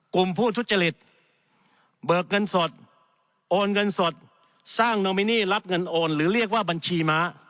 ผู้ทุจริตเบิกเงินสดโอนเงินสดสร้างโนมินีรับเงินโอนหรือเรียกว่าบัญชีม้า